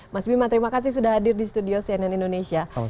mas bima terima kasih sudah hadir di studio cnn indonesia